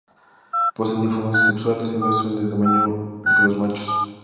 Poseen dimorfismo sexual, las hembras son de mayor tamaño que los machos.